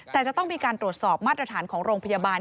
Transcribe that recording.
แต่จะต้องมีการตรวจสอบมาตรฐานของโรงพยาบาล